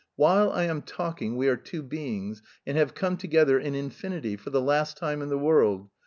While I am talking... we are two beings, and have come together in infinity... for the last time in the world.